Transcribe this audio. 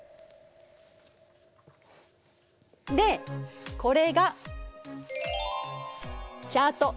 でこれが「チャート」。